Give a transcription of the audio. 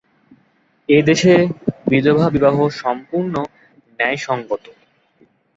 এ দেশে বিধবা-বিবাহ সম্পূর্ণ ন্যায়সঙ্গত।